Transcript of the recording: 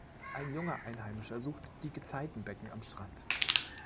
Ein junger Einheimischer sucht die Gezeitenbecken am Strand.